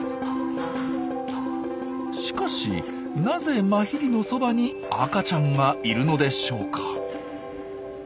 しかしなぜマヒリのそばに赤ちゃんがいるのでしょうか？